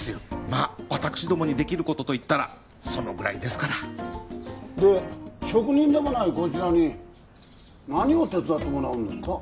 まあ私どもにできることといったらそのぐらいですからで職人でもないこちらに何を手伝ってもらうんですか？